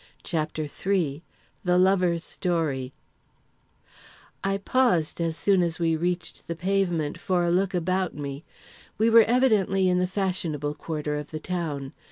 CHAPTER III The Lover's Story I paused, as soon as we reached the pavement, for a look about me. We were evidently in the fashionable quarter of the town.